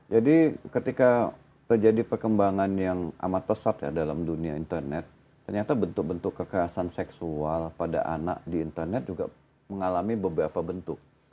jadi ketika terjadi perkembangan yang amat pesat dalam dunia internet ternyata bentuk bentuk kekerasan seksual pada anak di internet juga mengalami beberapa bentuk